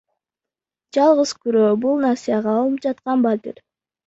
Жалгыз күрөө — бул насыяга алынып жаткан батир.